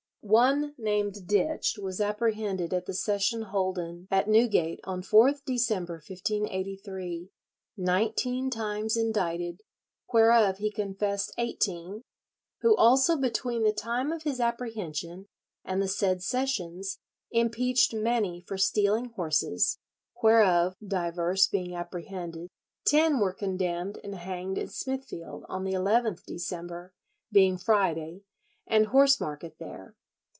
"One named Ditche was apprehended at the session holden at Newgate on 4th December, 1583, nineteen times indicted, whereof he confessed eighteen, who also between the time of his apprehension and the said sessions impeached many for stealing horses, whereof (divers being apprehended) ten were condemned and hanged in Smithfield on the 11th December, being Friday and horse market there."